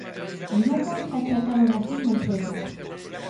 En Lugo xa espertaron así máis veces.